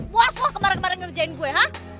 muas lo kemarin kemarin ngerjain gue hah